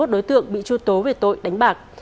ba mươi một đối tượng bị truy tố về tội đánh bạc